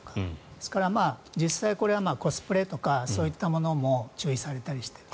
ですから、実際これはコスプレとかそういったものも注意されたりしている。